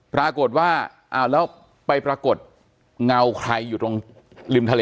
ปรากฏว่าอ้าวแล้วไปปรากฏเงาใครอยู่ตรงริมทะเล